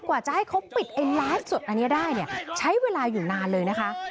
กว่าจะให้เขาปิดไอ้ไลฟ์สดอันนี้ได้เนี่ยใช้เวลาอยู่นานเลยนะคะ